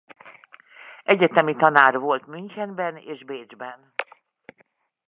Egyetemi tanár volt Münchenben és Bécsben.